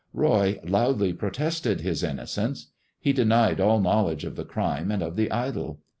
Roy loudly protested his innocence. He denied all knowledge of the crime and of the idol.